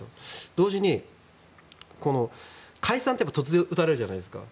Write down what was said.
同時に、解散といえば突然、打たれるじゃないですか。